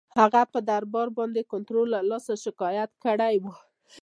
هغه پر دربار باندي د کنټرول له لاسه شکایت کړی وو.